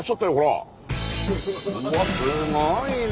うわっすごいね！